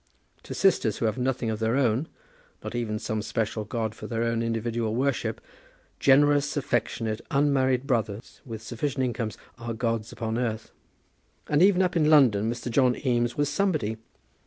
To sisters who have nothing of their own, not even some special god for their own individual worship, generous, affectionate, unmarried brothers, with sufficient incomes, are gods upon earth. And even up in London Mr. John Eames was somebody.